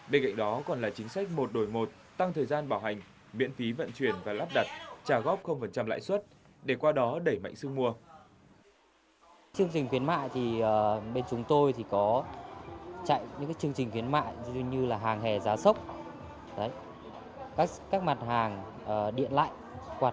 bên cạnh đó còn là chính sách một đổi một tăng thời gian bảo hành miễn phí vận chuyển và lắp đặt trả góp lãi suất để qua đó đẩy mạnh sương mua